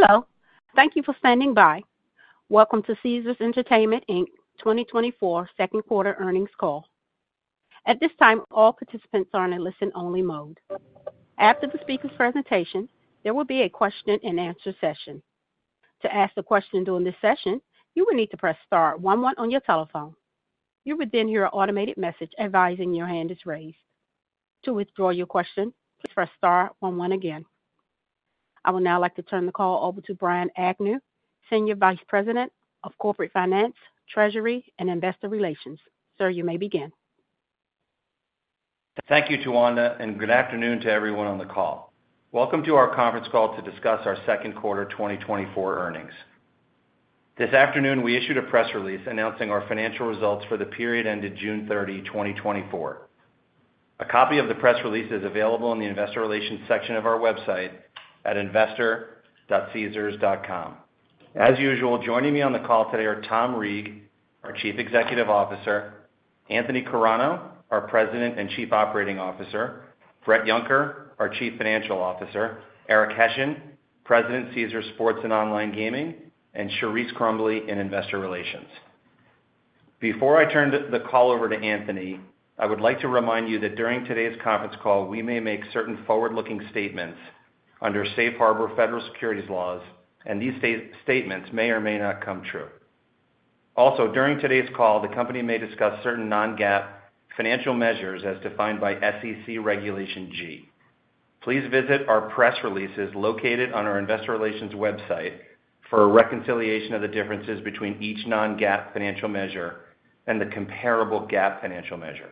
Hello, thank you for standing by. Welcome to Caesars Entertainment, Inc. 2024 Second Quarter Earnings Call. At this time, all participants are in a listen-only mode. After the speaker's presentation, there will be a question and answer session. To ask a question during this session, you will need to press star one one on your telephone. You will then hear an automated message advising your hand is raised. To withdraw your question, please press star one one again. I would now like to turn the call over to Brian Agnew, Senior Vice President of Corporate Finance, Treasury, and Investor Relations. Sir, you may begin. Thank you, Tawanda, and good afternoon to everyone on the call. Welcome to our conference call to discuss our second quarter 2024 earnings. This afternoon, we issued a press release announcing our financial results for the period ended June 30, 2024. A copy of the press release is available in the Investor Relations section of our website at investor.caesars.com. As usual, joining me on the call today are Tom Reeg, our Chief Executive Officer, Anthony Carano, our President and Chief Operating Officer, Bret Yunker, our Chief Financial Officer, Eric Hession, President, Caesars Sports and Online Gaming, and Charise Crumbley in Investor Relations. Before I turn the call over to Anthony, I would like to remind you that during today's conference call, we may make certain forward-looking statements under Safe Harbor federal securities laws, and these statements may or may not come true. Also, during today's call, the company may discuss certain non-GAAP financial measures as defined by SEC Regulation G. Please visit our press releases located on our investor relations website for a reconciliation of the differences between each non-GAAP financial measure and the comparable GAAP financial measure.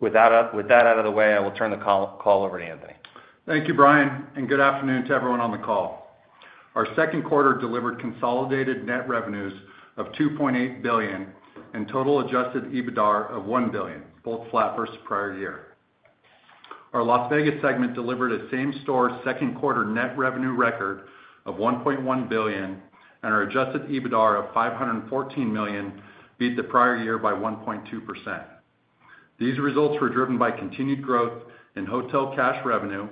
With that out of the way, I will turn the call over to Anthony. Thank you, Brian, and good afternoon to everyone on the call. Our second quarter delivered consolidated net revenues of $2.8 billion and total adjusted EBITDAR of $1 billion, both flat versus prior year. Our Las Vegas segment delivered a same-store second quarter net revenue record of $1.1 billion and our adjusted EBITDAR of $514 million beat the prior year by 1.2%. These results were driven by continued growth in hotel cash revenue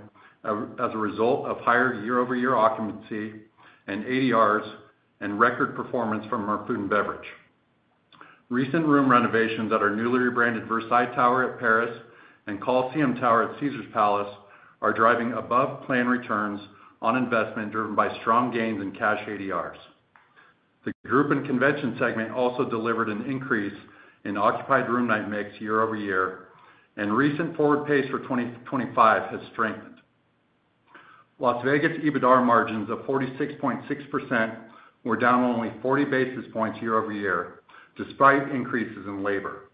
as a result of higher year-over-year occupancy and ADRs and record performance from our food and beverage. Recent room renovations at our newly rebranded Versailles Tower at Paris and Colosseum Tower at Caesars Palace are driving above-plan returns on investment, driven by strong gains in cash ADRs. The group and convention segment also delivered an increase in occupied room night mix year-over-year, and recent forward pace for 2025 has strengthened. Las Vegas EBITDAR margins of 46.6% were down only 40 basis points year-over-year, despite increases in labor.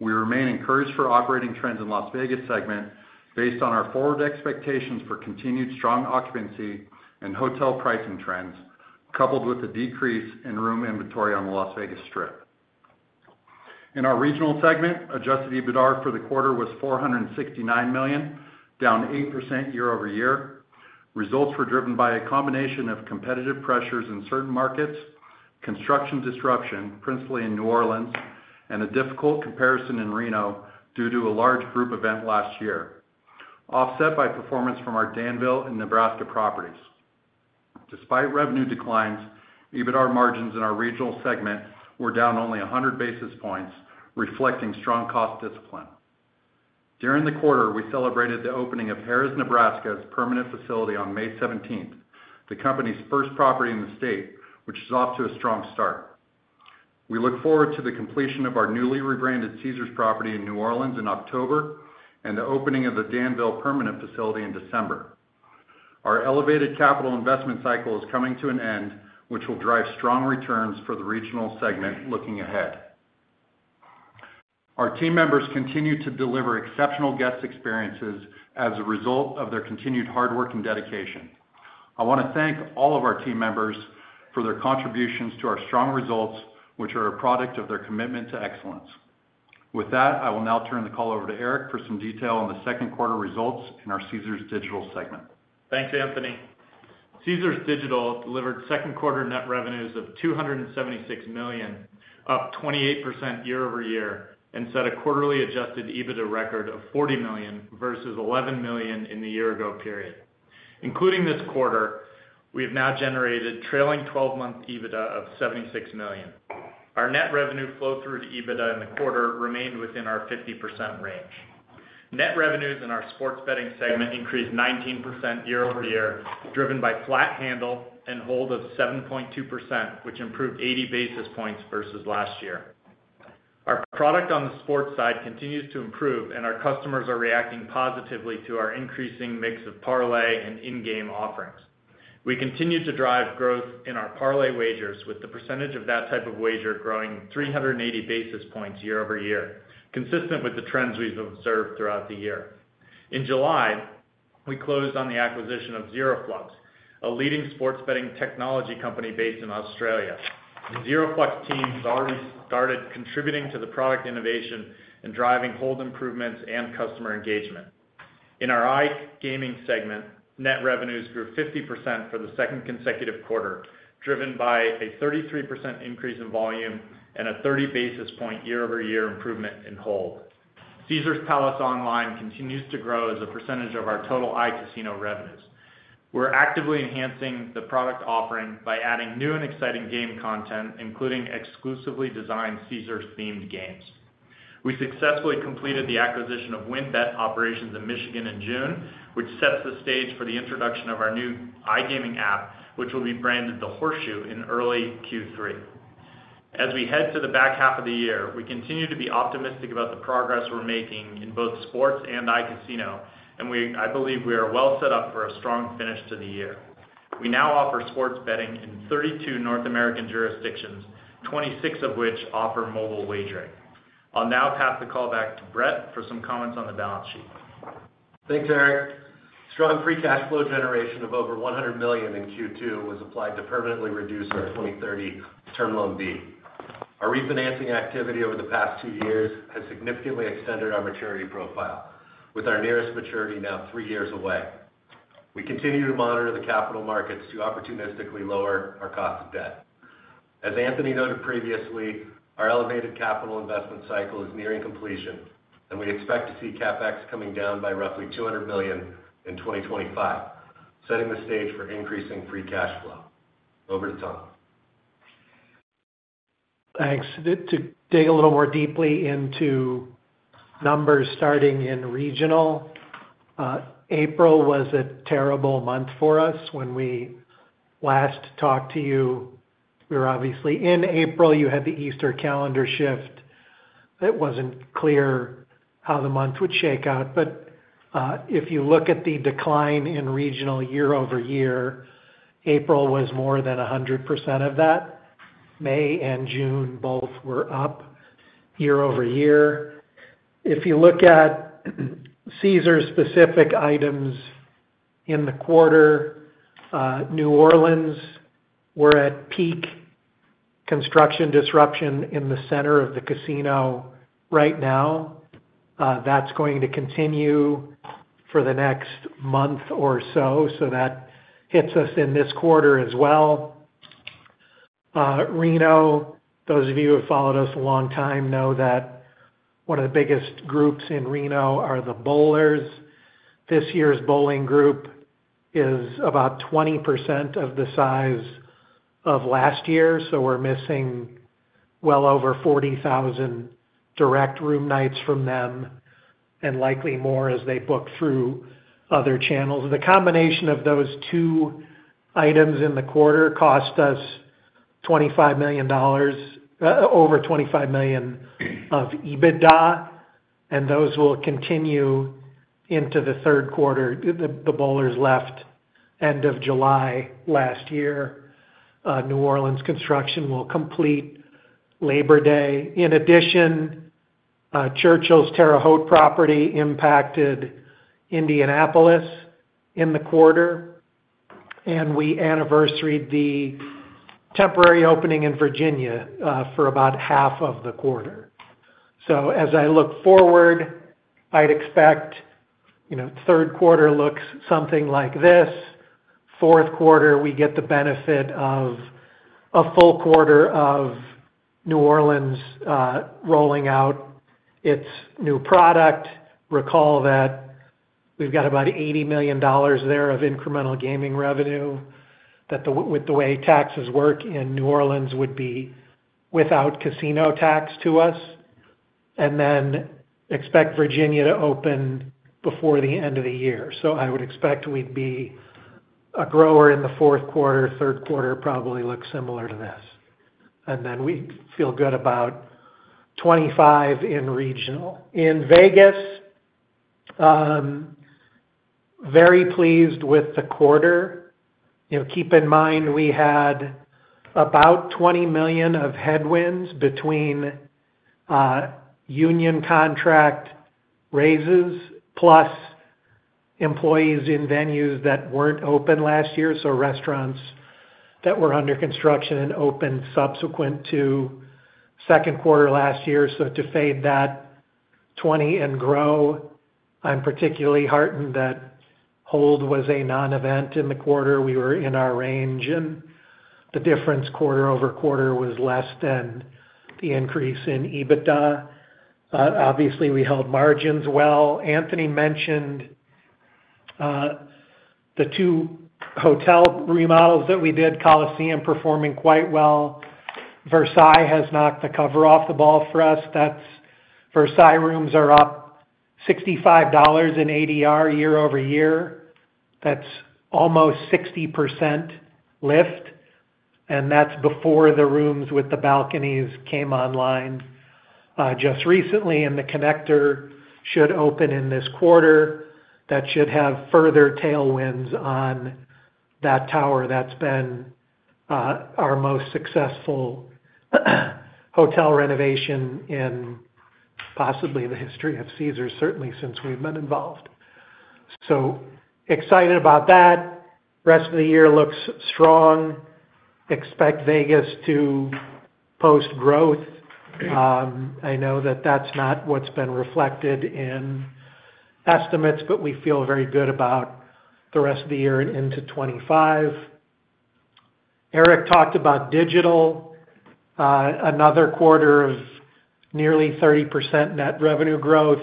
We remain encouraged for operating trends in Las Vegas segment based on our forward expectations for continued strong occupancy and hotel pricing trends, coupled with a decrease in room inventory on the Las Vegas Strip. In our regional segment, adjusted EBITDAR for the quarter was $469 million, down 8% year-over-year. Results were driven by a combination of competitive pressures in certain markets, construction disruption, principally in New Orleans, and a difficult comparison in Reno due to a large group event last year, offset by performance from our Danville and Nebraska properties. Despite revenue declines, EBITDAR margins in our regional segment were down only 100 basis points, reflecting strong cost discipline. During the quarter, we celebrated the opening of Harrah's Nebraska's permanent facility on May 17th, the company's first property in the state, which is off to a strong start. We look forward to the completion of our newly rebranded Caesars property in New Orleans in October and the opening of the Danville permanent facility in December. Our elevated capital investment cycle is coming to an end, which will drive strong returns for the regional segment looking ahead. Our team members continue to deliver exceptional guest experiences as a result of their continued hard work and dedication. I want to thank all of our team members for their contributions to our strong results, which are a product of their commitment to excellence. With that, I will now turn the call over to Eric for some detail on the second quarter results in our Caesars Digital segment. Thanks, Anthony. Caesars Digital delivered second quarter net revenues of $276 million, up 28% year-over-year, and set a quarterly adjusted EBITDA record of $40 million versus $11 million in the year-ago period. Including this quarter, we have now generated trailing twelve-month EBITDA of $76 million. Our net revenue flow through to EBITDA in the quarter remained within our 50% range. Net revenues in our sports betting segment increased 19% year-over-year, driven by flat handle and hold of 7.2%, which improved 80 basis points versus last year. Our product on the sports side continues to improve, and our customers are reacting positively to our increasing mix of parlay and in-game offerings. We continue to drive growth in our parlay wagers, with the percentage of that type of wager growing 380 basis points year-over-year, consistent with the trends we've observed throughout the year. In July, we closed on the acquisition of ZeroFlucs, a leading sports betting technology company based in Australia. The ZeroFlucs team has already started contributing to the product innovation and driving hold improvements and customer engagement. In our iGaming segment, net revenues grew 50% for the second consecutive quarter, driven by a 33% increase in volume and a 30 basis point year-over-year improvement in hold.... Caesars Palace Online continues to grow as a percentage of our total iCasino revenues. We're actively enhancing the product offering by adding new and exciting game content, including exclusively designed Caesars-themed games. We successfully completed the acquisition of WynnBET operations in Michigan in June, which sets the stage for the introduction of our new iGaming app, which will be branded The Horseshoe, in early Q3. As we head to the back half of the year, we continue to be optimistic about the progress we're making in both sports and iCasino, and I believe we are well set up for a strong finish to the year. We now offer sports betting in 32 North American jurisdictions, 26 of which offer mobile wagering. I'll now pass the call back to Bret for some comments on the balance sheet. Thanks, Eric. Strong free cash flow generation of over $100 million in Q2 was applied to permanently reduce our 2030 term loan B. Our refinancing activity over the past 2 years has significantly extended our maturity profile, with our nearest maturity now 3 years away. We continue to monitor the capital markets to opportunistically lower our cost of debt. As Anthony noted previously, our elevated capital investment cycle is nearing completion, and we expect to see CapEx coming down by roughly $200 million in 2025, setting the stage for increasing free cash flow. Over to Tom. Thanks. To dig a little more deeply into numbers starting in regional, April was a terrible month for us. When we last talked to you, we were obviously in April, you had the Easter calendar shift. It wasn't clear how the month would shake out, but if you look at the decline in regional year-over-year, April was more than 100% of that. May and June both were up year-over-year. If you look at Caesars specific items in the quarter, New Orleans, we're at peak construction disruption in the center of the casino right now. That's going to continue for the next month or so, so that hits us in this quarter as well. Reno, those of you who have followed us a long time know that one of the biggest groups in Reno are the bowlers. This year's bowling group is about 20% of the size of last year, so we're missing well over 40,000 direct room nights from them, and likely more as they book through other channels. The combination of those two items in the quarter cost us $25 million - over $25 million of EBITDA, and those will continue into the third quarter. The bowlers left end of July last year. New Orleans construction will complete Labor Day. In addition, Churchill's Terre Haute property impacted Indianapolis in the quarter, and we anniversaried the temporary opening in Virginia, for about half of the quarter. So as I look forward, I'd expect, you know, third quarter looks something like this. Fourth quarter, we get the benefit of a full quarter of New Orleans rolling out its new product. Recall that we've got about $80 million there of incremental gaming revenue, that with the way taxes work in New Orleans, would be without casino tax to us, and then expect Virginia to open before the end of the year. So I would expect we'd be a grower in the fourth quarter. Third quarter probably looks similar to this. And then we feel good about 25 in regional. In Vegas, very pleased with the quarter. You know, keep in mind, we had about $20 million of headwinds between, union contract raises, plus employees in venues that weren't open last year, so restaurants that were under construction and opened subsequent to second quarter last year. So to fade that 20 and grow, I'm particularly heartened that hold was a non-event in the quarter. We were in our range, and the difference quarter-over-quarter was less than the increase in EBITDA. Obviously, we held margins well. Anthony mentioned the two hotel remodels that we did, Colosseum performing quite well. Versailles has knocked the cover off the ball for us. That's Versailles rooms are up $65 in ADR year-over-year. That's almost 60% lift, and that's before the rooms with the balconies came online just recently, and the connector should open in this quarter. That should have further tailwinds on that tower. That's been our most successful hotel renovation in possibly the history of Caesars, certainly since we've been involved. So excited about that. Rest of the year looks strong. Expect Vegas to post growth. I know that that's not what's been reflected in estimates, but we feel very good about the rest of the year and into 2025. Eric talked about digital, another quarter of nearly 30% net revenue growth,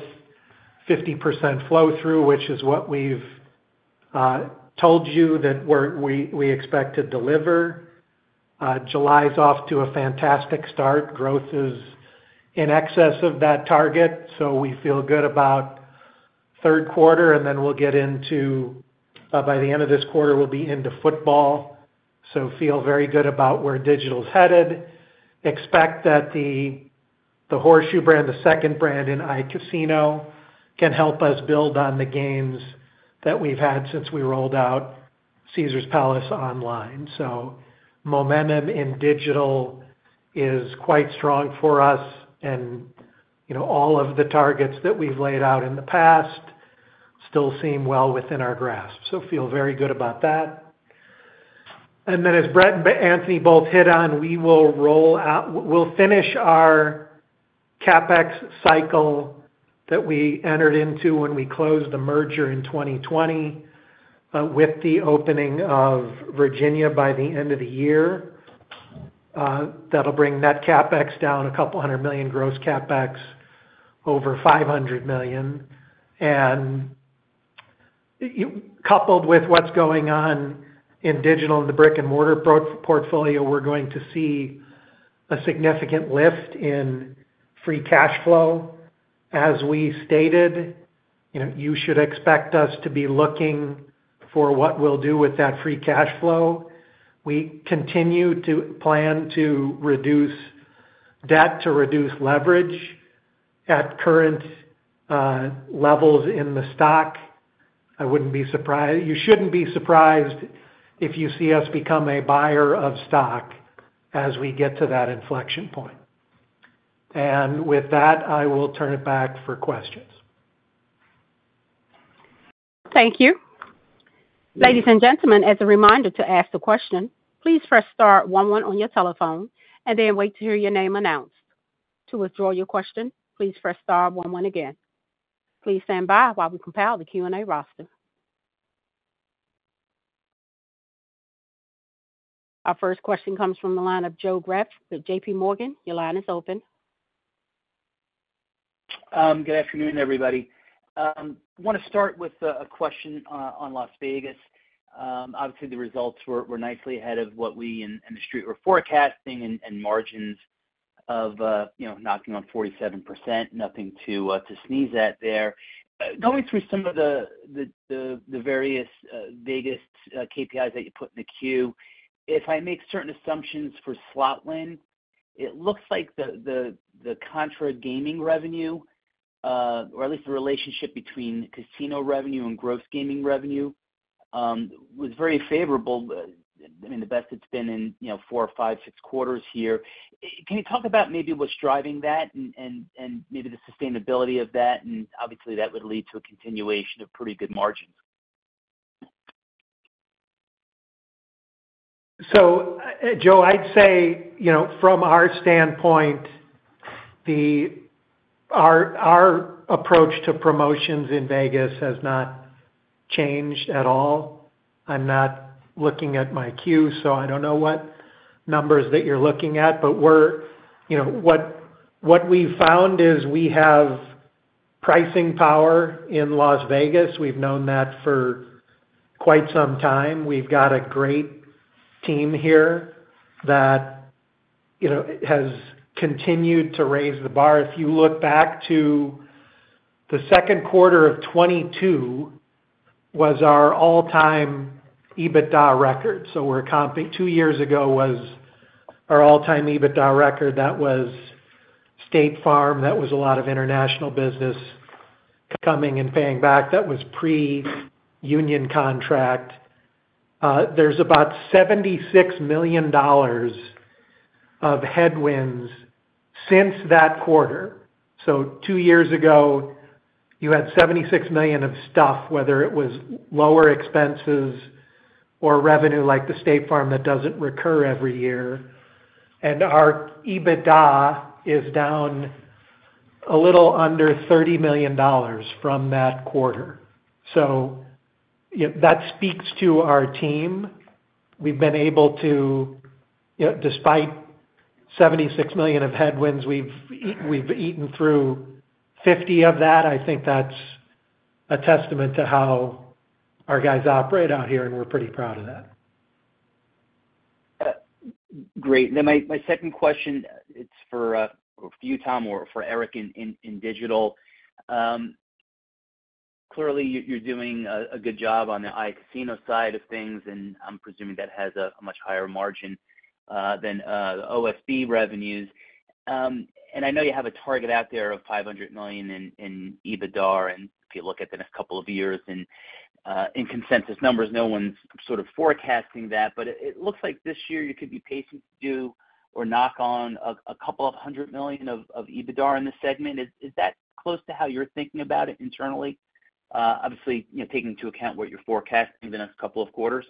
50% flow through, which is what we've told you that we're, we, we expect to deliver. July is off to a fantastic start. Growth is in excess of that target, so we feel good about third quarter, and then we'll get into by the end of this quarter, we'll be into football, so feel very good about where digital's headed. Expect that the, the Horseshoe brand, the second brand in iCasino, can help us build on the gains that we've had since we rolled out Caesars Palace online. So momentum in digital is quite strong for us, and, you know, all of the targets that we've laid out in the past still seem well within our grasp. So feel very good about that. And then, as Bret and Anthony both hit on, we'll finish our CapEx cycle that we entered into when we closed the merger in 2020 with the opening of Virginia by the end of the year. That'll bring net CapEx down a couple hundred million, gross CapEx over $500 million. And coupled with what's going on in digital and the brick-and-mortar portfolio, we're going to see a significant lift in free cash flow. As we stated, you know, you should expect us to be looking for what we'll do with that free cash flow. We continue to plan to reduce debt, to reduce leverage at current levels in the stock. I wouldn't be surprised. You shouldn't be surprised if you see us become a buyer of stock as we get to that inflection point. With that, I will turn it back for questions. Thank you. Ladies and gentlemen, as a reminder to ask a question, please press star one one on your telephone and then wait to hear your name announced. To withdraw your question, please press star one one again. Please stand by while we compile the Q&A roster. Our first question comes from the line of Joe Greff with JPMorgan. Your line is open. Good afternoon, everybody. I want to start with a question on Las Vegas. Obviously, the results were nicely ahead of what we in the street were forecasting and margins of, you know, knocking on 47%, nothing to sneeze at there. Going through some of the various Vegas KPIs that you put in the queue, if I make certain assumptions for slot win, it looks like the contra gaming revenue, or at least the relationship between casino revenue and gross gaming revenue, was very favorable, I mean, the best it's been in, you know, four, five, six quarters here. Can you talk about maybe what's driving that and maybe the sustainability of that? And obviously, that would lead to a continuation of pretty good margins. So, Joe, I'd say, you know, from our standpoint, our approach to promotions in Vegas has not changed at all. I'm not looking at my queue, so I don't know what numbers that you're looking at. But we're, you know, what we've found is we have pricing power in Las Vegas. We've known that for quite some time. We've got a great team here that, you know, has continued to raise the bar. If you look back to the second quarter of 2022, was our all-time EBITDA record. So we're comp-- two years ago was our all-time EBITDA record. That was State Farm. That was a lot of international business coming and paying back. That was pre-union contract. There's about $76 million of headwinds since that quarter. So two years ago, you had $76 million of stuff, whether it was lower expenses or revenue, like the State Farm, that doesn't recur every year. And our EBITDA is down a little under $30 million from that quarter. So, you, that speaks to our team. We've been able to, you know, despite $76 million of headwinds, we've eaten through 50 of that. I think that's a testament to how our guys operate out here, and we're pretty proud of that. Great. Then my second question, it's for you, Tom, or for Eric in digital. Clearly, you're doing a good job on the iCasino side of things, and I'm presuming that has a much higher margin than OSB revenues. And I know you have a target out there of $500 million in EBITDA, and if you look at the next couple of years and in consensus numbers, no one's sort of forecasting that. But it looks like this year you could be pacing to do or knock on $200 million of EBITDA in this segment. Is that close to how you're thinking about it internally? Obviously, you know, taking into account what your forecast in the next couple of quarters.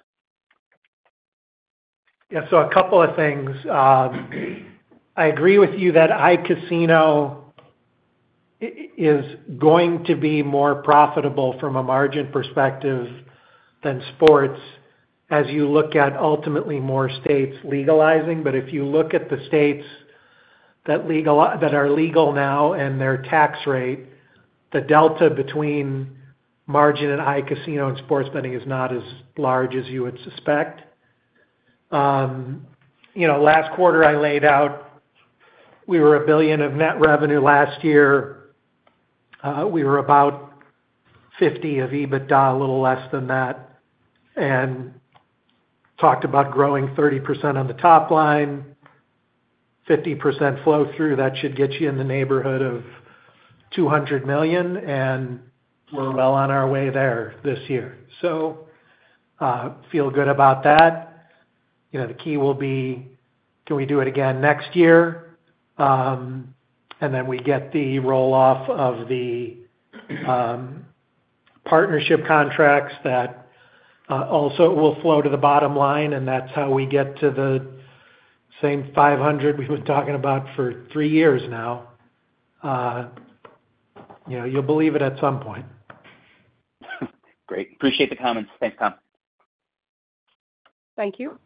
Yeah, so a couple of things. I agree with you that iCasino... is going to be more profitable from a margin perspective than sports as you look at ultimately more states legalizing. But if you look at the states that are legal now and their tax rate, the delta between margin and iCasino and sports betting is not as large as you would suspect. You know, last quarter I laid out, we were $1 billion of net revenue last year. We were about $50 million of EBITDA, a little less than that, and talked about growing 30% on the top line, 50% flow through. That should get you in the neighborhood of $200 million, and we're well on our way there this year. So, feel good about that. You know, the key will be, can we do it again next year? And then we get the roll-off of the partnership contracts that also will flow to the bottom line, and that's how we get to the same $500 we've been talking about for three years now. You know, you'll believe it at some point. Great. Appreciate the comments. Thanks, Tom. Thank you.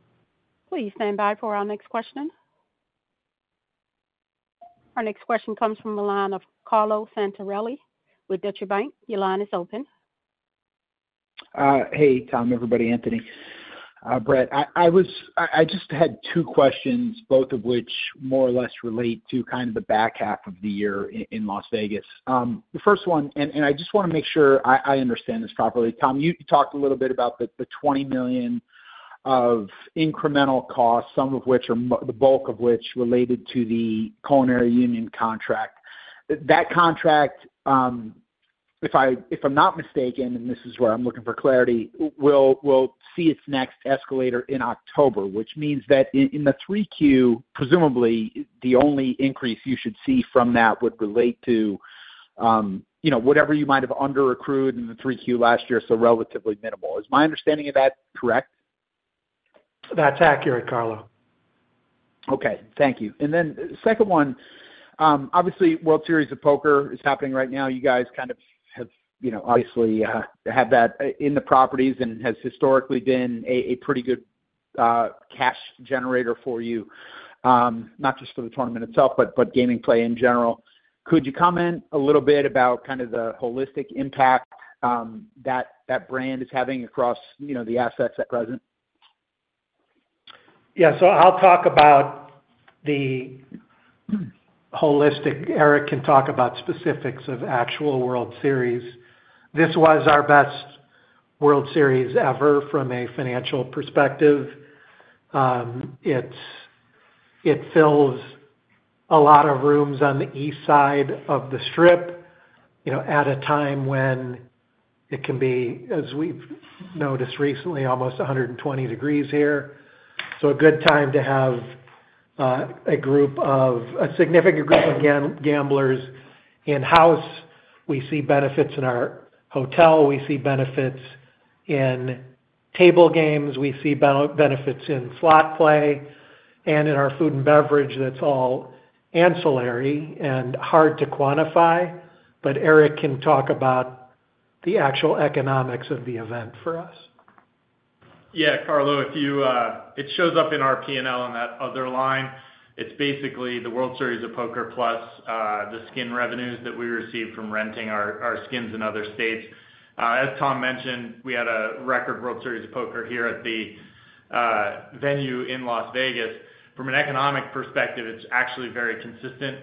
Please stand by for our next question. Our next question comes from the line of Carlo Santarelli with Deutsche Bank. Your line is open. Hey, Tom, everybody, Anthony, Bret. I just had two questions, both of which more or less relate to kind of the back half of the year in Las Vegas. The first one, and I just wanna make sure I understand this properly. Tom, you talked a little bit about the $20 million of incremental costs, some of which are the bulk of which related to the culinary union contract. That contract, if I'm not mistaken, and this is where I'm looking for clarity, will see its next escalator in October, which means that in the 3Q, presumably, the only increase you should see from that would relate to, you know, whatever you might have under-accrued in the 3Q last year, so relatively minimal. Is my understanding of that correct? That's accurate, Carlo. Okay, thank you. Then second one, obviously, World Series of Poker is happening right now. You guys kind of have, you know, obviously, had that in the properties and has historically been a pretty good cash generator for you, not just for the tournament itself, but gaming play in general. Could you comment a little bit about kind of the holistic impact that that brand is having across, you know, the assets at present? Yeah. So I'll talk about the holistic, Eric can talk about specifics of actual World Series. This was our best World Series ever from a financial perspective. It fills a lot of rooms on the east side of the Strip, you know, at a time when it can be, as we've noticed recently, almost 120 degrees Fahrenheit here. So a good time to have a significant group of gamblers in-house. We see benefits in our hotel, we see benefits in table games, we see benefits in slot play and in our food and beverage, that's all ancillary and hard to quantify. But Eric can talk about the actual economics of the event for us. Yeah, Carlo, if you, it shows up in our P&L on that other line. It's basically the World Series of Poker, plus, the skin revenues that we receive from renting our, our skins in other states. As Tom mentioned, we had a record World Series of Poker here at the, venue in Las Vegas. From an economic perspective, it's actually very consistent.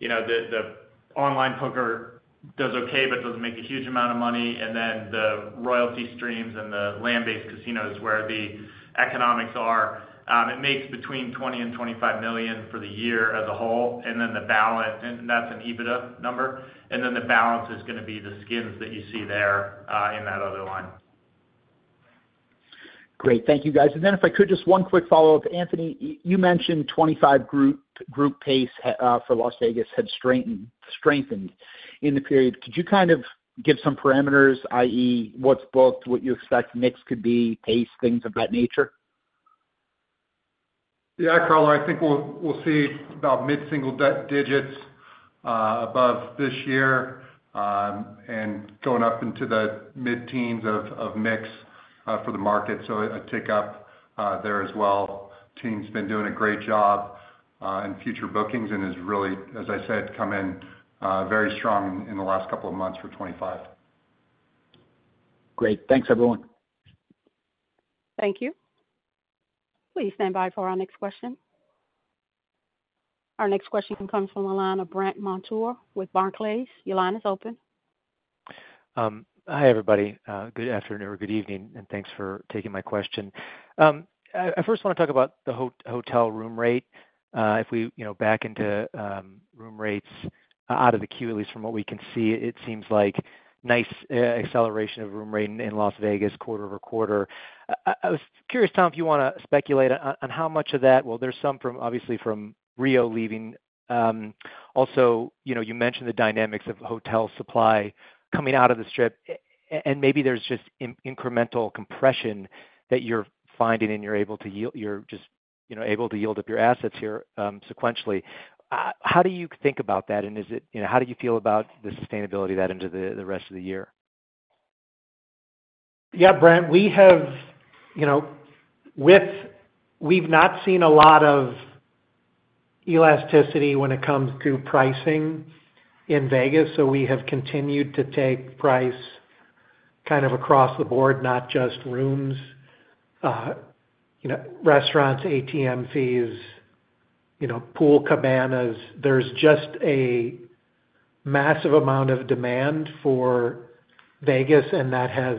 You know, the, the online poker does okay, but doesn't make a huge amount of money. And then the royalty streams and the land-based casinos where the economics are, it makes between $20 million and $25 million for the year as a whole, and then the balance, and that's an EBITDA number, and then the balance is gonna be the skins that you see there, in that other line. Great. Thank you, guys. And then if I could, just one quick follow-up. Anthony, you mentioned 25 group, group pace for Las Vegas had strengthened, strengthened in the period. Could you kind of give some parameters, i.e., what's booked, what you expect mix could be, pace, things of that nature? Yeah, Carlo, I think we'll see about mid-single digits above this year, and going up into the mid-teens of mix for the market, so a tick up there as well. Team's been doing a great job in future bookings and has really, as I said, come in very strong in the last couple of months for 2025. Great. Thanks, everyone. Thank you. Please stand by for our next question. Our next question comes from the line of Brandt Montour with Barclays. Your line is open. Hi, everybody. Good afternoon or good evening, and thanks for taking my question. I first wanna talk about the hotel room rate. If we, you know, back into room rates out of the Q, at least from what we can see, it seems like nice acceleration of room rate in Las Vegas quarter-over-quarter. I was curious, Tom, if you wanna speculate on how much of that... Well, there's some from, obviously, from Rio leaving. Also, you know, you mentioned the dynamics of hotel supply coming out of the Strip, and maybe there's just incremental compression that you're finding and you're able to yield--you're just... you know, able to yield up your assets here, sequentially. How do you think about that, and is it, you know, how do you feel about the sustainability of that into the rest of the year? Yeah, Bret, we have, you know, we've not seen a lot of elasticity when it comes to pricing in Vegas, so we have continued to take price kind of across the board, not just rooms. You know, restaurants, ATM fees, you know, pool cabanas. There's just a massive amount of demand for Vegas, and that has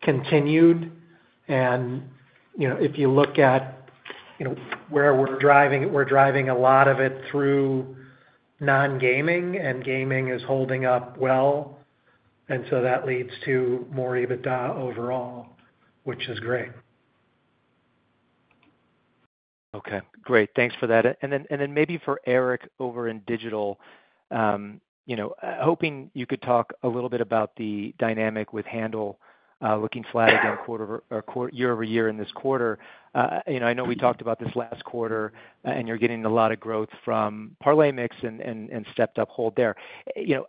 continued. And, you know, if you look at, you know, where we're driving, we're driving a lot of it through non-gaming, and gaming is holding up well. And so that leads to more EBITDA overall, which is great. Okay, great. Thanks for that. And then maybe for Eric over in digital, you know, hoping you could talk a little bit about the dynamic with handle, looking flat again year-over-year in this quarter. You know, I know we talked about this last quarter, and you're getting a lot of growth from parlay mix and stepped up hold there. You know,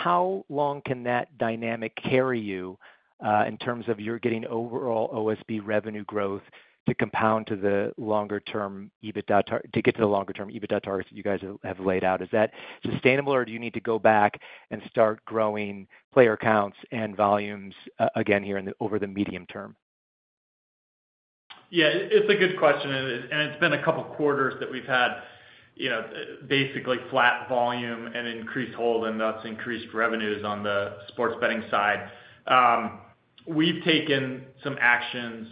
how long can that dynamic carry you, in terms of you're getting overall OSB revenue growth to compound to the longer term EBITDA target to get to the longer term EBITDA targets that you guys have laid out? Is that sustainable, or do you need to go back and start growing player counts and volumes again here in the over the medium term? Yeah, it's a good question, and it's been a couple quarters that we've had, you know, basically flat volume and increased hold, and thus increased revenues on the sports betting side. We've taken some actions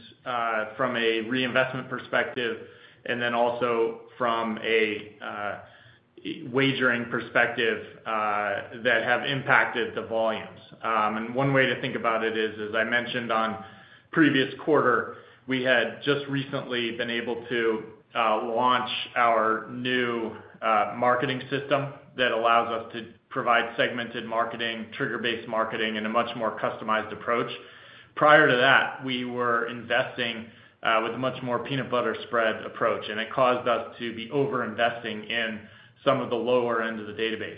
from a reinvestment perspective, and then also from a wagering perspective that have impacted the volumes. And one way to think about it is, as I mentioned on previous quarter, we had just recently been able to launch our new marketing system that allows us to provide segmented marketing, trigger-based marketing, and a much more customized approach. Prior to that, we were investing with a much more peanut butter spread approach, and it caused us to be over-investing in some of the lower end of the database.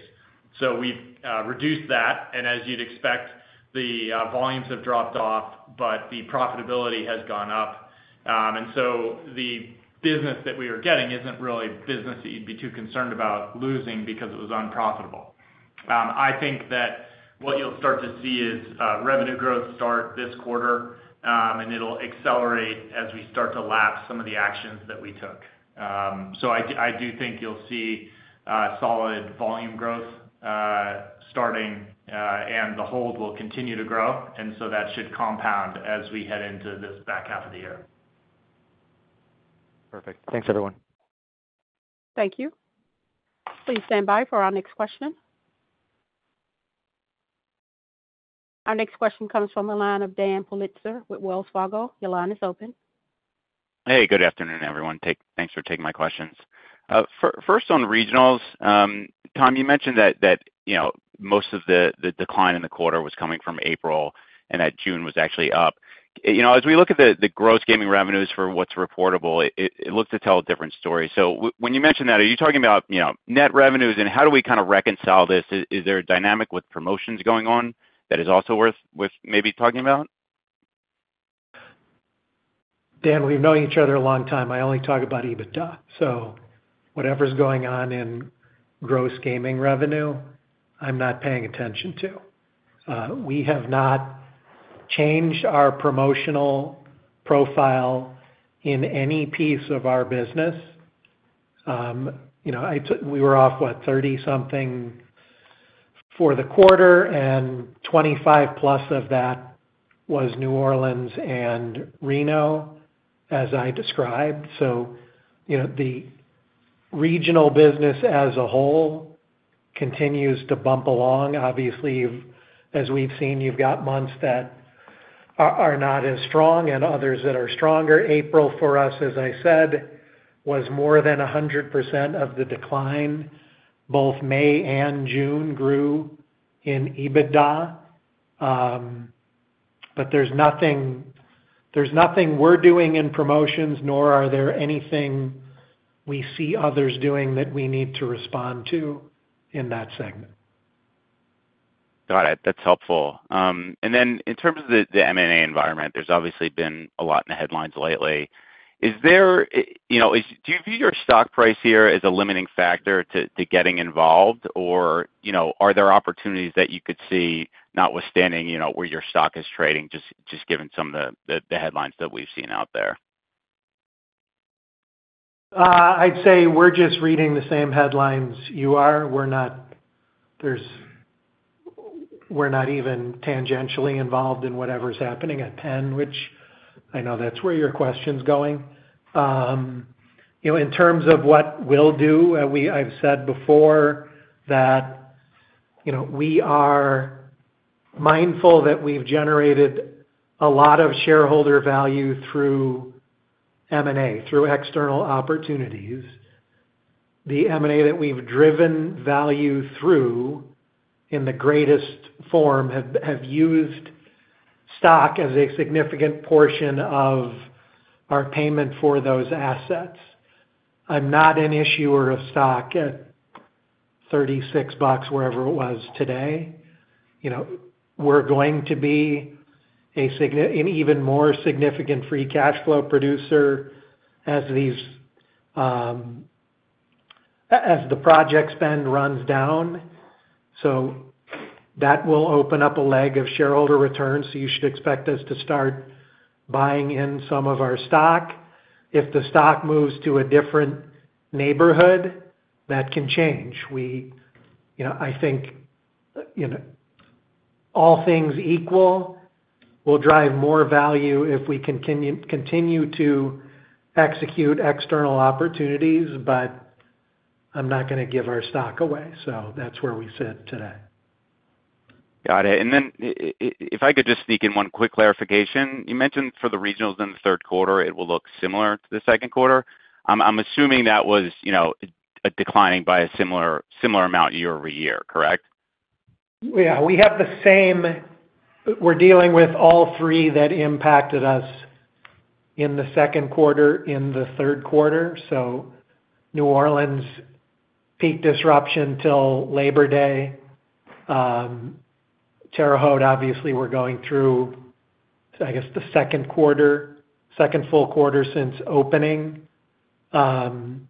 So we've reduced that, and as you'd expect, the volumes have dropped off, but the profitability has gone up. And so the business that we are getting isn't really business that you'd be too concerned about losing because it was unprofitable. I think that what you'll start to see is revenue growth start this quarter, and it'll accelerate as we start to lap some of the actions that we took. So I do think you'll see solid volume growth starting, and the hold will continue to grow, and so that should compound as we head into this back half of the year. Perfect. Thanks, everyone. Thank you. Please stand by for our next question. Our next question comes from the line of Dan Politzer with Wells Fargo. Your line is open. Hey, good afternoon, everyone. Thanks for taking my questions. First, on regionals, Tom, you mentioned that, that, you know, most of the, the decline in the quarter was coming from April, and that June was actually up. You know, as we look at the, the gross gaming revenues for what's reportable, it, it looks to tell a different story. So when you mention that, are you talking about, you know, net revenues? And how do we kind of reconcile this? Is there a dynamic with promotions going on that is also worth maybe talking about? Dan, we've known each other a long time. I only talk about EBITDA, so whatever's going on in gross gaming revenue, I'm not paying attention to. We have not changed our promotional profile in any piece of our business. You know, we were off, what, thirty-something for the quarter, and 25+ of that was New Orleans and Reno, as I described. So, you know, the regional business as a whole continues to bump along. Obviously, as we've seen, you've got months that are, are not as strong and others that are stronger. April, for us, as I said, was more than 100% of the decline. Both May and June grew in EBITDA, but there's nothing, there's nothing we're doing in promotions, nor are there anything we see others doing that we need to respond to in that segment. Got it. That's helpful. And then in terms of the M&A environment, there's obviously been a lot in the headlines lately. Is there, you know, do you view your stock price here as a limiting factor to getting involved? Or, you know, are there opportunities that you could see, notwithstanding, you know, where your stock is trading, just given some of the headlines that we've seen out there? I'd say we're just reading the same headlines you are. We're not even tangentially involved in whatever's happening at Penn, which I know that's where your question's going. You know, in terms of what we'll do, I've said before that, you know, we are mindful that we've generated a lot of shareholder value through M&A, through external opportunities.... the M&A that we've driven value through in the greatest form have used stock as a significant portion of our payment for those assets. I'm not an issuer of stock at $36, wherever it was today. You know, we're going to be an even more significant free cash flow producer as these as the project spend runs down. So that will open up a leg of shareholder returns, so you should expect us to start buying in some of our stock. If the stock moves to a different neighborhood, that can change. We, you know, I think, you know, all things equal, we'll drive more value if we continue to execute external opportunities, but I'm not gonna give our stock away. So that's where we sit today. Got it. And then if I could just sneak in one quick clarification. You mentioned for the regionals in the third quarter, it will look similar to the second quarter. I'm assuming that was, you know, a declining by a similar, similar amount year over year, correct? Yeah, we have the same. We're dealing with all three that impacted us in the second quarter, in the third quarter. So New Orleans, peak disruption till Labor Day. Terre Haute, obviously, we're going through, I guess, the second quarter, second full quarter since opening. And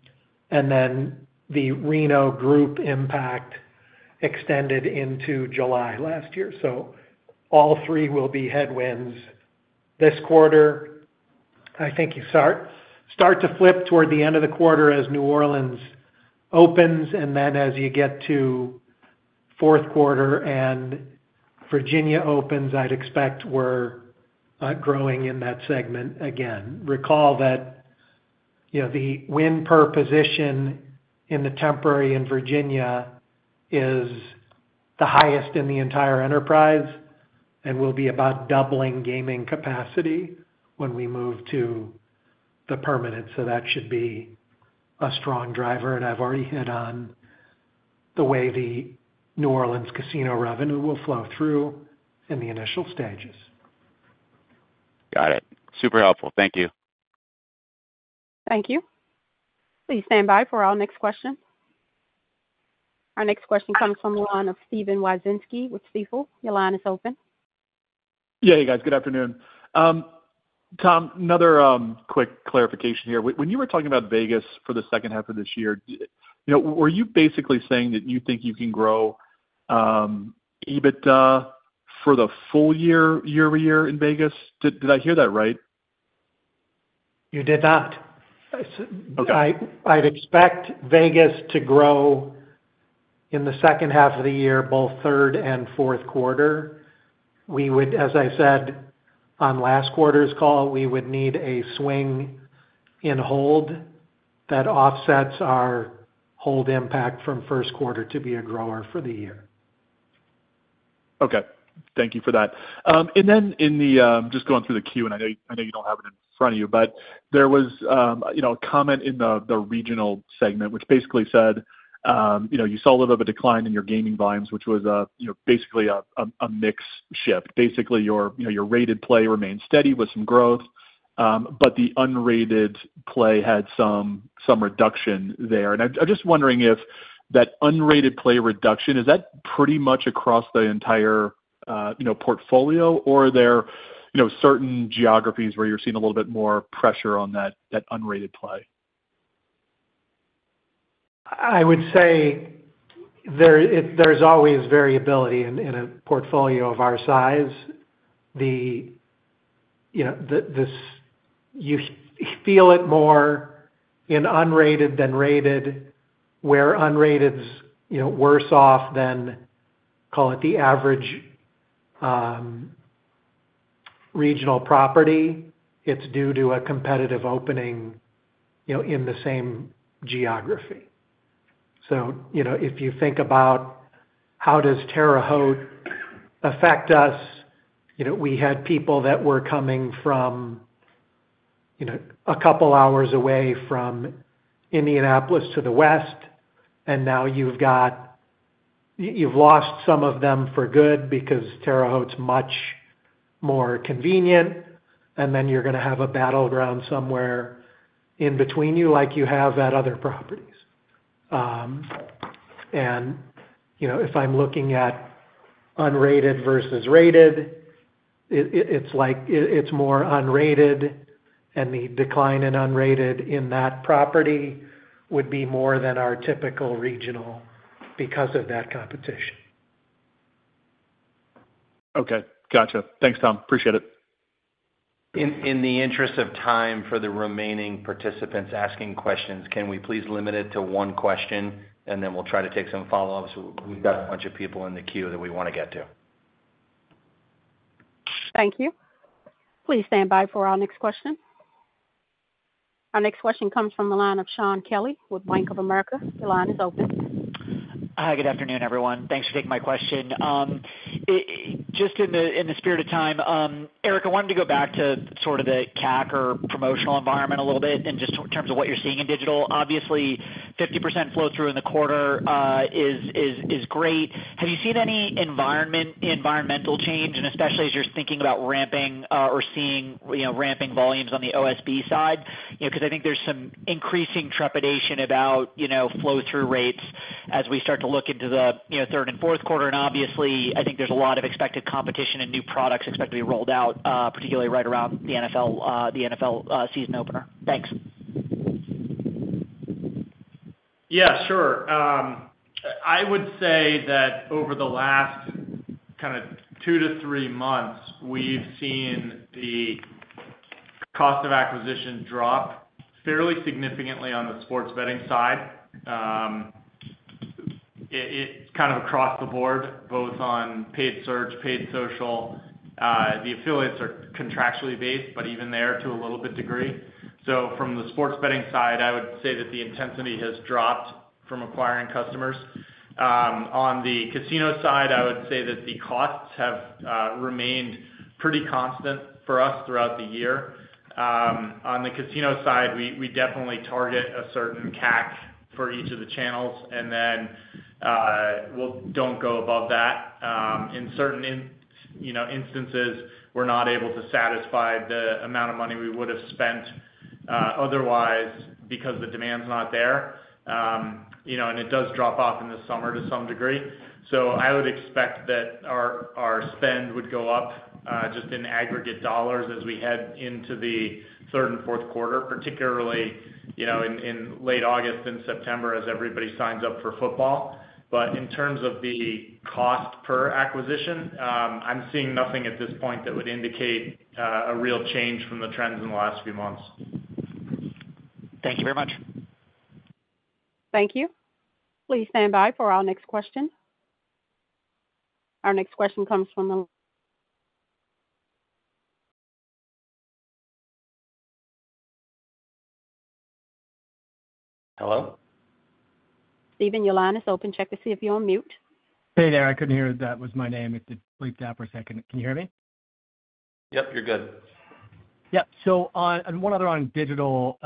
then the Reno group impact extended into July last year. So all three will be headwinds this quarter. I think you start to flip toward the end of the quarter as New Orleans opens, and then as you get to fourth quarter and Virginia opens, I'd expect we're growing in that segment again. Recall that, you know, the win per position in the temporary in Virginia is the highest in the entire enterprise and will be about doubling gaming capacity when we move to the permanent. So that should be a strong driver, and I've already hit on the way the New Orleans casino revenue will flow through in the initial stages. Got it. Super helpful. Thank you. Thank you. Please stand by for our next question. Our next question comes from the line of Steven Wieczynski with Stifel. Your line is open. Yeah, hey, guys. Good afternoon. Tom, another quick clarification here. When you were talking about Vegas for the second half of this year, you know, were you basically saying that you think you can grow EBITDA for the full year, year over year in Vegas? Did I hear that right? You did not. Okay. I'd expect Vegas to grow in the second half of the year, both third and fourth quarter. We would, as I said on last quarter's call, we would need a swing in hold that offsets our hold impact from first quarter to be a grower for the year. Okay. Thank you for that. And then in the just going through the queue, and I know, I know you don't have it in front of you, but there was, you know, a comment in the regional segment, which basically said, you know, you saw a little bit of a decline in your gaming volumes, which was, you know, basically a mix shift. Basically, your, you know, your rated play remained steady with some growth, but the unrated play had some reduction there. And I'm just wondering if that unrated play reduction is pretty much across the entire, you know, portfolio, or are there, you know, certain geographies where you're seeing a little bit more pressure on that unrated play? I would say there, there's always variability in a portfolio of our size. You know, you feel it more in unrated than rated, where unrated's worse off than, call it, the average regional property. It's due to a competitive opening, you know, in the same geography. So, you know, if you think about how does Terre Haute affect us, you know, we had people that were coming from a couple hours away from Indianapolis to the west, and now you've lost some of them for good because Terre Haute's much more convenient, and then you're gonna have a battleground somewhere in between you, like you have at other properties. You know, if I'm looking at unrated versus rated, it's like it's more unrated, and the decline in unrated in that property would be more than our typical regional because of that competition. Okay. Gotcha. Thanks, Tom. Appreciate it. In the interest of time for the remaining participants asking questions, can we please limit it to one question, and then we'll try to take some follow-ups? We've got a bunch of people in the queue that we wanna get to. Thank you. Please stand by for our next question. Our next question comes from the line of Shaun Kelley with Bank of America. Your line is open. ... Hi, good afternoon, everyone. Thanks for taking my question. Just in the spirit of time, Eric, I wanted to go back to sort of the CAC or promotional environment a little bit, and just in terms of what you're seeing in digital. Obviously, 50% flow through in the quarter is great. Have you seen any environmental change, and especially as you're thinking about ramping or seeing, you know, ramping volumes on the OSB side? You know, because I think there's some increasing trepidation about, you know, flow-through rates as we start to look into the third and fourth quarter. And obviously, I think there's a lot of expected competition and new products expected to be rolled out, particularly right around the NFL season opener. Thanks. Yeah, sure. I would say that over the last kind of two to three months, we've seen the cost of acquisition drop fairly significantly on the sports betting side. It's kind of across the board, both on paid search, paid social, the affiliates are contractually-based, but even there, to a little bit degree. So from the sports betting side, I would say that the intensity has dropped from acquiring customers. On the casino side, I would say that the costs have remained pretty constant for us throughout the year. On the casino side, we definitely target a certain CAC for each of the channels, and then, we'll don't go above that. In certain, you know, instances, we're not able to satisfy the amount of money we would have spent, otherwise because the demand's not there. You know, and it does drop off in the summer to some degree. So I would expect that our spend would go up just in aggregate dollars as we head into the third and fourth quarter, particularly, you know, in late August and September as everybody signs up for football. But in terms of the cost per acquisition, I'm seeing nothing at this point that would indicate a real change from the trends in the last few months. Thank you very much. Thank you. Please stand by for our next question. Our next question comes from the- Hello? Steven, your line is open. Check to see if you're on mute. Hey there, I couldn't hear if that was my name. It bleeped out for a second. Can you hear me? Yep, you're good. Yep. So, and one other on digital.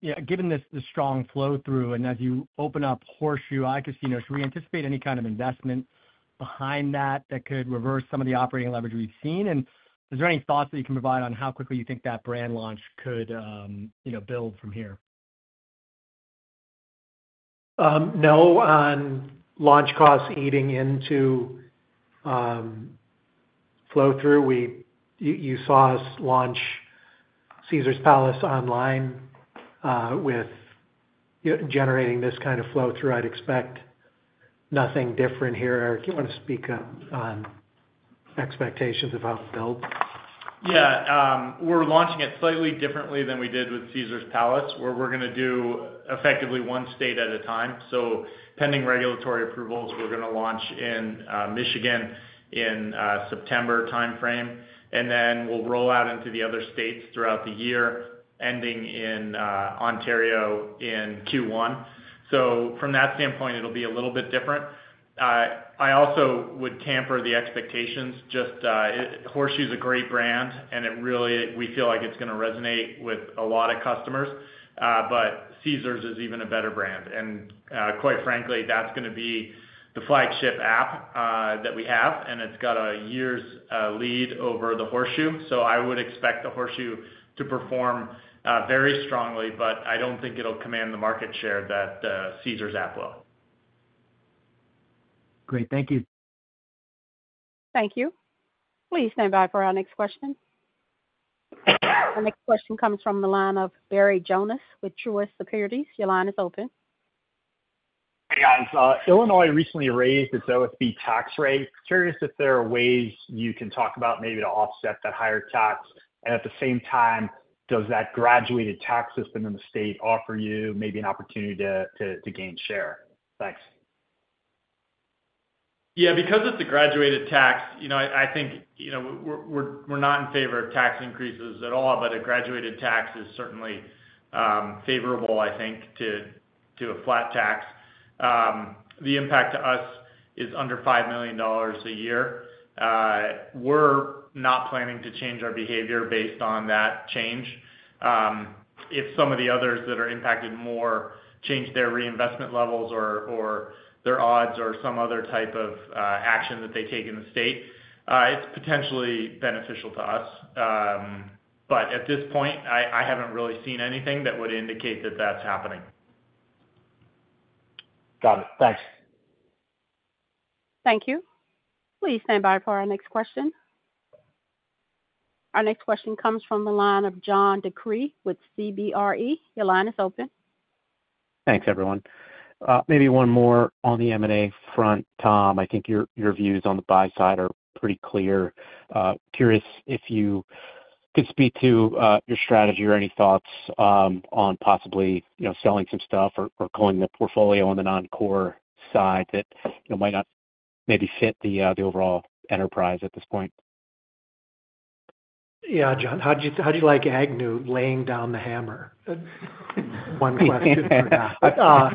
Yeah, given this, the strong flow-through, and as you open up Horseshoe iCasino, should we anticipate any kind of investment behind that, that could reverse some of the operating leverage we've seen? And is there any thoughts that you can provide on how quickly you think that brand launch could, you know, build from here? No, on launch costs eating into flow-through. You saw us launch Caesars Palace online with generating this kind of flow-through. I'd expect nothing different here. Eric, you want to speak up on expectations about the build? Yeah, we're launching it slightly differently than we did with Caesars Palace, where we're going to do effectively one state at a time. So pending regulatory approvals, we're going to launch in Michigan, in September timeframe, and then we'll roll out into the other states throughout the year, ending in Ontario in Q1. So from that standpoint, it'll be a little bit different. I also would temper the expectations, just Horseshoe is a great brand, and it really we feel like it's going to resonate with a lot of customers, but Caesars is even a better brand. And quite frankly, that's going to be the flagship app that we have, and it's got a year's lead over the Horseshoe. So I would expect the Horseshoe to perform very strongly, but I don't think it'll command the market share that the Caesars app will. Great. Thank you. Thank you. Please stand by for our next question. Our next question comes from the line of Barry Jonas with Truist Securities. Your line is open. Hey, guys. Illinois recently raised its OSB tax rate. Curious if there are ways you can talk about maybe to offset that higher tax, and at the same time, does that graduated tax system in the state offer you maybe an opportunity to gain share? Thanks. Yeah, because it's a graduated tax, you know, I, I think, you know, we're, we're, we're not in favor of tax increases at all, but a graduated tax is certainly favorable, I think, to a flat tax. The impact to us is under $5 million a year. We're not planning to change our behavior based on that change. If some of the others that are impacted more change their reinvestment levels or their odds or some other type of action that they take in the state, it's potentially beneficial to us. But at this point, I, I haven't really seen anything that would indicate that that's happening. Got it. Thanks. Thank you. Please stand by for our next question. Our next question comes from the line of John DeCree with CBRE. Your line is open. Thanks, everyone. Maybe one more on the M&A front. Tom, I think your, your views on the buy side are pretty clear. Curious if you could speak to your strategy or any thoughts on possibly, you know, selling some stuff or, or culling the portfolio on the non-core side that, you know, might not maybe fit the overall enterprise at this point? ... Yeah, John, how did you, how do you like Agnew laying down the hammer? One question for now.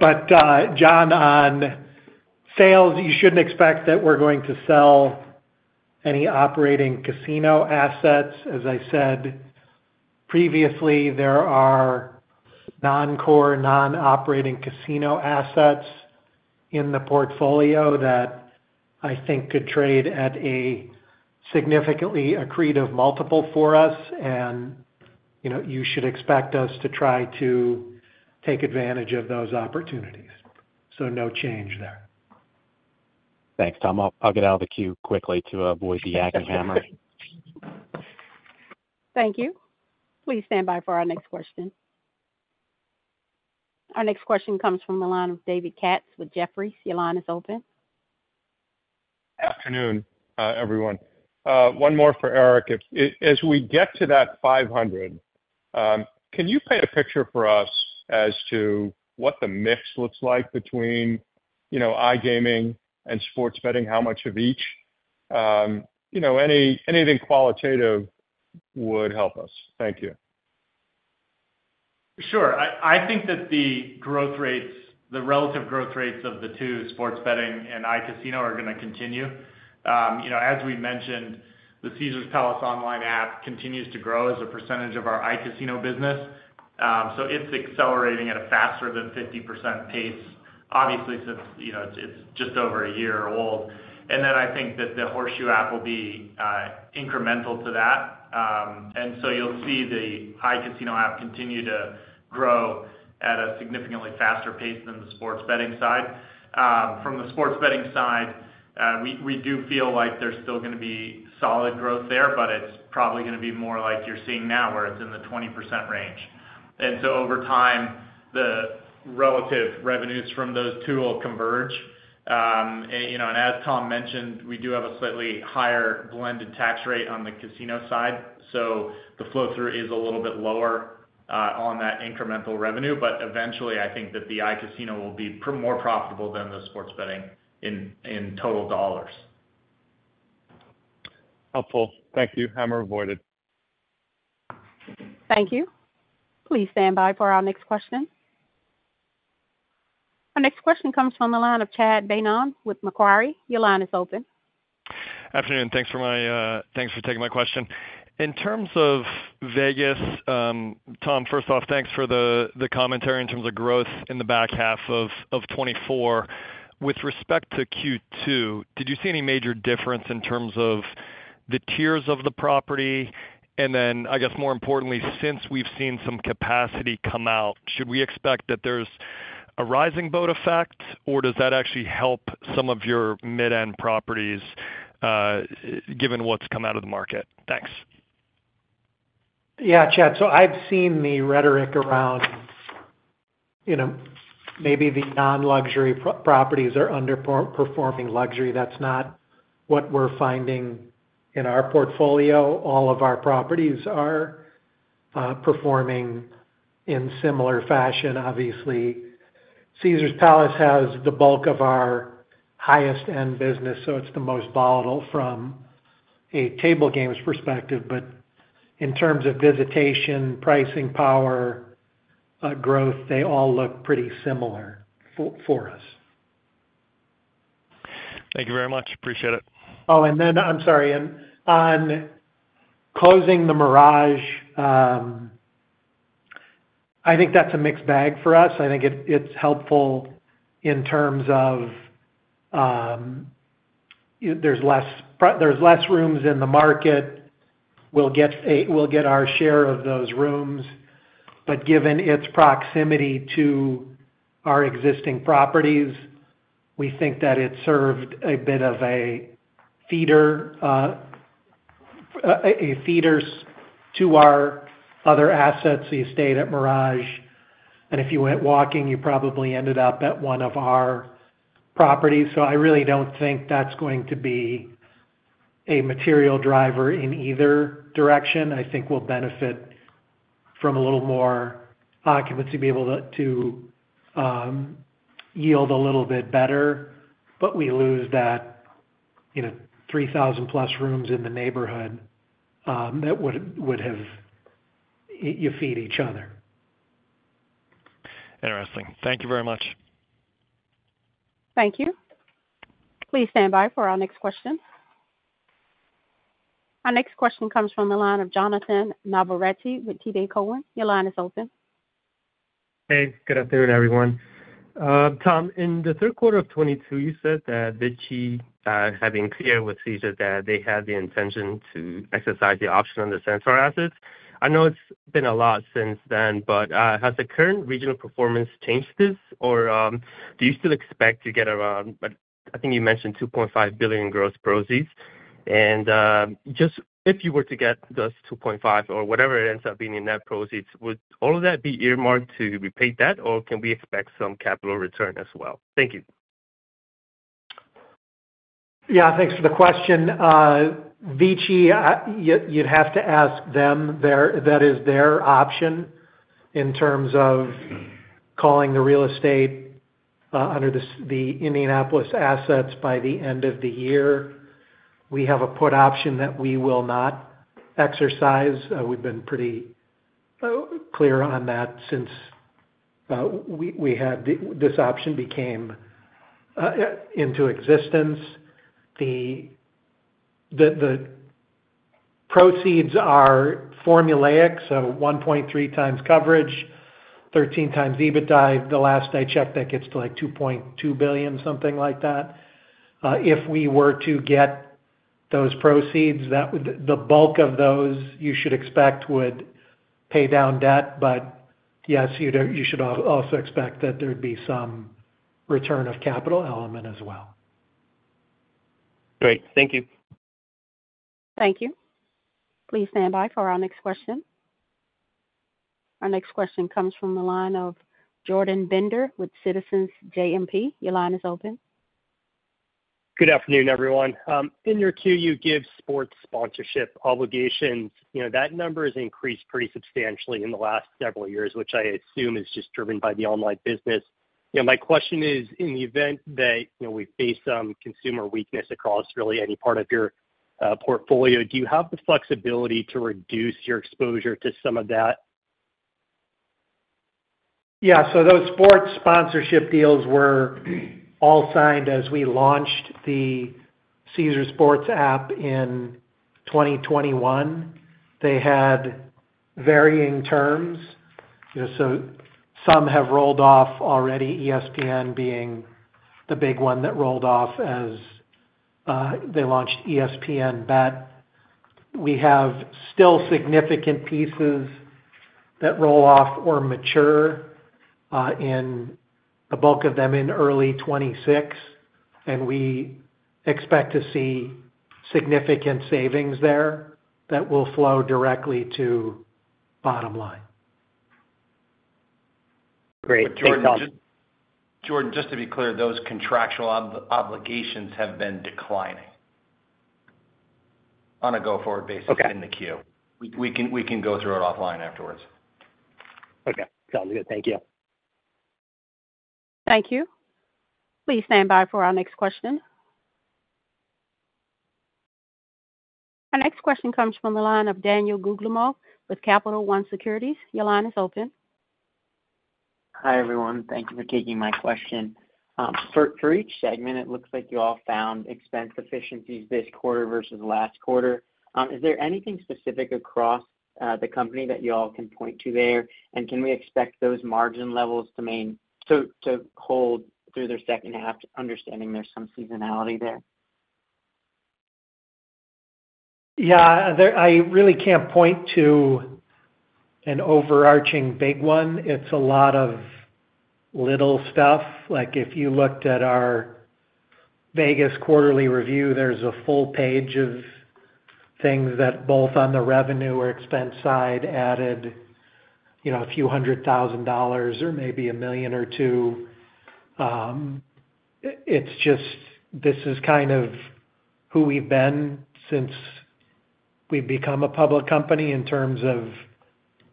But, John, on sales, you shouldn't expect that we're going to sell any operating casino assets. As I said previously, there are non-core, non-operating casino assets in the portfolio that I think could trade at a significantly accretive multiple for us, and, you know, you should expect us to try to take advantage of those opportunities. So no change there. Thanks, Tom. I'll get out of the queue quickly to avoid the ag hammer. Thank you. Please stand by for our next question. Our next question comes from the line of David Katz with Jefferies. Your line is open. Afternoon, everyone. One more for Eric. If, as we get to that 500, can you paint a picture for us as to what the mix looks like between, you know, iGaming and sports betting? How much of each? You know, anything qualitative would help us. Thank you. Sure. I think that the growth rates, the relative growth rates of the two, sports betting and iCasino, are going to continue. You know, as we mentioned, the Caesars Palace online app continues to grow as a percentage of our iCasino business. So it's accelerating at a faster than 50% pace, obviously, since, you know, it's just over a year old. And then I think that the Horseshoe app will be incremental to that. And so you'll see the iCasino app continue to grow at a significantly faster pace than the sports betting side. From the sports betting side, we do feel like there's still going to be solid growth there, but it's probably going to be more like you're seeing now, where it's in the 20% range. So over time, the relative revenues from those two will converge. You know, as Tom mentioned, we do have a slightly higher blended tax rate on the casino side, so the flow through is a little bit lower on that incremental revenue. But eventually, I think that the iCasino will be more profitable than the sports betting in total dollars. Helpful. Thank you. Hammer avoided. Thank you. Please stand by for our next question. Our next question comes from the line of Chad Beynon with Macquarie. Your line is open. Afternoon. Thanks for taking my question. In terms of Vegas, Tom, first off, thanks for the commentary in terms of growth in the back half of 2024. With respect to Q2, did you see any major difference in terms of the tiers of the property? And then, I guess more importantly, since we've seen some capacity come out, should we expect that there's a rising boat effect, or does that actually help some of your mid-end properties, given what's come out of the market? Thanks. Yeah, Chad, so I've seen the rhetoric around, you know, maybe the non-luxury properties are underperforming luxury. That's not what we're finding in our portfolio. All of our properties are performing in similar fashion. Obviously, Caesars Palace has the bulk of our highest end business, so it's the most volatile from a table games perspective. But in terms of visitation, pricing, power, growth, they all look pretty similar for us. Thank you very much. Appreciate it. Oh, and then I'm sorry, and on closing the Mirage, I think that's a mixed bag for us. I think it's helpful in terms of there's less rooms in the market. We'll get our share of those rooms. But given its proximity to our existing properties, we think that it served a bit of a feeder to our other assets. So you stayed at Mirage, and if you went walking, you probably ended up at one of our properties. So I really don't think that's going to be a material driver in either direction. I think we'll benefit from a little more occupancy, be able to yield a little bit better. But we lose that, you know, 3,000+ rooms in the neighborhood that would have... You feed each other. Interesting. Thank you very much. Thank you. Please stand by for our next question. Our next question comes from the line of Jonathan Navarrete with TD Cowen. Your line is open. Hey, good afternoon, everyone. Tom, in the third quarter of 2022, you said that the VICI had been clear with Caesars, that they had the intention to exercise the option on the Centaur assets. I know it's been a lot since then, but has the current regional performance changed this? Or do you still expect to get around, I think you mentioned $2.5 billion gross proceeds. And just if you were to get those $2.5 or whatever it ends up being in net proceeds, would all of that be earmarked to repay debt, or can we expect some capital return as well? Thank you. Yeah, thanks for the question. VICI, you'd have to ask them. That is their option in terms of calling the real estate under the Indianapolis assets by the end of the year. We have a put option that we will not exercise. We've been pretty clear on that since this option became into existence. The proceeds are formulaic, so 1.3x coverage, 13x EBITDA. The last I checked, that gets to, like, $2.2 billion, something like that. If we were to get those proceeds, that would the bulk of those, you should expect, would pay down debt. But yes, you'd also expect that there'd be some return of capital element as well. Great. Thank you. Thank you. Please stand by for our next question. Our next question comes from the line of Jordan Bender with Citizens JMP. Your line is open. Good afternoon, everyone. In your Q, you give sports sponsorship obligations. You know, that number has increased pretty substantially in the last several years, which I assume is just driven by the online business. You know, my question is, in the event that, you know, we face some consumer weakness across really any part of your, portfolio, do you have the flexibility to reduce your exposure to some of that? Yeah, so those sports sponsorship deals were all signed as we launched the Caesars Sports app in 2021. They had varying terms, you know, so some have rolled off already, ESPN being the big one that rolled off as they launched ESPN BET. We have still significant pieces that roll off or mature, in the bulk of them in early 2026, and we expect to see significant savings there that will flow directly to bottom line. Great. Thanks, Tom. Jordan, just to be clear, those contractual obligations have been declining on a go-forward basis- Okay. In the queue. We can go through it offline afterwards. Okay, sounds good. Thank you. Thank you. Please stand by for our next question. Our next question comes from the line of Daniel Guglielmo with Capital One Securities. Your line is open. Hi, everyone. Thank you for taking my question. For each segment, it looks like you all found expense efficiencies this quarter versus last quarter. Is there anything specific across the company that you all can point to there? Can we expect those margin levels to hold through the second half, understanding there's some seasonality there? Yeah, I really can't point to an overarching big one. It's a lot of little stuff. Like, if you looked at our Vegas quarterly review, there's a full page of things that both on the revenue or expense side added, you know, a few $100,000 or maybe $1 million or $2 million. It's just, this is kind of who we've been since we've become a public company in terms of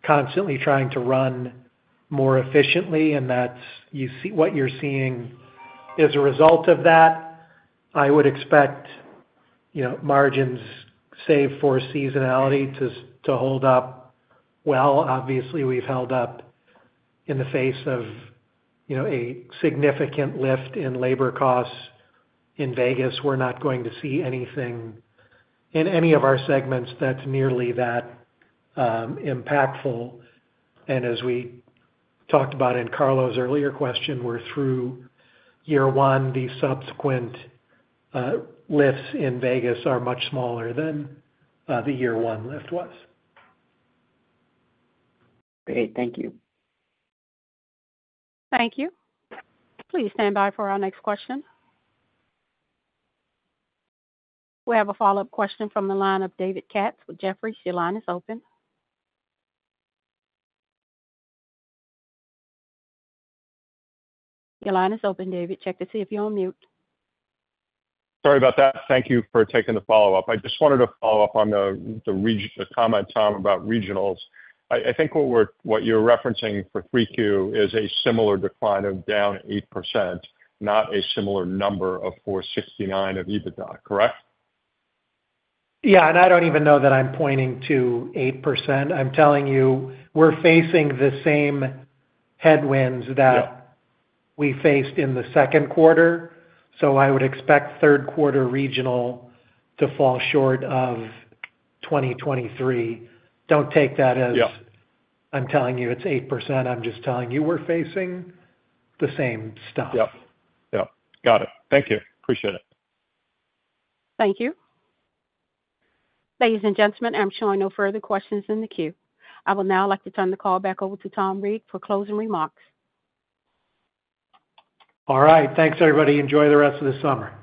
constantly trying to run more efficiently, and that's, you see what you're seeing as a result of that, I would expect, you know, margins, save for seasonality, to hold up. Well, obviously, we've held up in the face of, you know, a significant lift in labor costs in Vegas. We're not going to see anything in any of our segments that's nearly that impactful. As we talked about in Carlo's earlier question, we're through year one. The subsequent lifts in Vegas are much smaller than the year one lift was. Great. Thank you. Thank you. Please stand by for our next question. We have a follow-up question from the line of David Katz with Jefferies. Your line is open. Your line is open, David. Check to see if you're on mute. Sorry about that. Thank you for taking the follow-up. I just wanted to follow up on the comment, Tom, about regionals. I think what you're referencing for 3Q is a similar decline of down 8%, not a similar number of $469 of EBITDA, correct? Yeah, and I don't even know that I'm pointing to 8%. I'm telling you, we're facing the same headwinds that- Yeah... we faced in the second quarter, so I would expect third quarter regional to fall short of 2023. Don't take that as- Yeah... I'm telling you, it's 8%. I'm just telling you, we're facing the same stuff. Yep. Yep. Got it. Thank you. Appreciate it. Thank you. Ladies and gentlemen, I'm showing no further questions in the queue. I will now like to turn the call back over to Tom Reeg for closing remarks. All right. Thanks, everybody. Enjoy the rest of the summer.